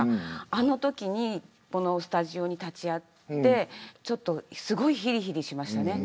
あのときにこのスタジオに立ち会ってすごい、ひりひりしました。